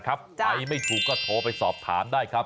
ใครไม่ถูกก็โทรไปสอบถามได้ครับ